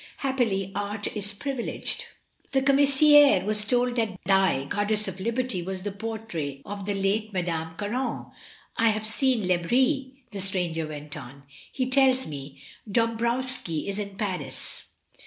Happily art is privileged. The commissaire was told that thy ^Goddess of Liberty' was the portrait of the late Madame Caron. I have seen Lebris," the stranger went on. "He tells me Dombrowski is in Paris.